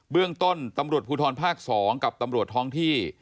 เรื่องต้นตำรวจภูทรภาค๒กับตำรวจท้องที่